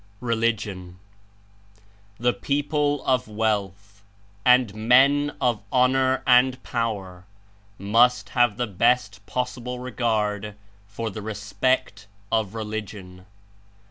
RELIGION "The people of wealth and men of honor and pow er must have the best possible regard for the respect of Religion.